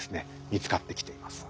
見つかってきています。